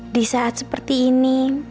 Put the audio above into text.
di saat seperti ini